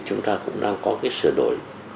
chúng ta cũng đang có cái sửa đổi